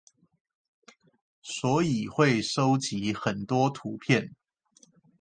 所以會蒐集很多圖片